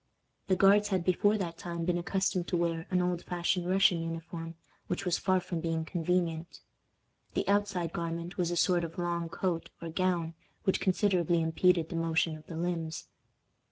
The Guards had before that time been accustomed to wear an old fashioned Russian uniform, which was far from being convenient. The outside garment was a sort of long coat or gown, which considerably impeded the motion of the limbs.